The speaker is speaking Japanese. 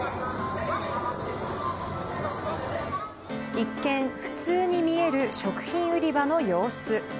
一見、普通に見える食品売り場の様子。